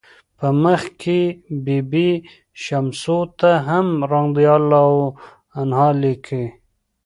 په مخ کې بي بي شمسو ته هم "رضی الله عنه" لیکي.